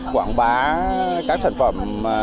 quảng bá các sản phẩm